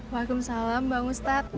waalaikumsalam want ustadz